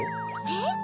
えっ？